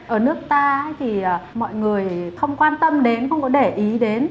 ở nước ta thì mọi người không quan tâm đến không có để ý đến